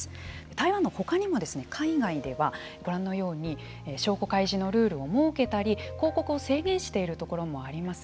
台湾のほかにも海外では、ご覧のように証拠開示のルールを設けたり抗告を制限しているところもあります。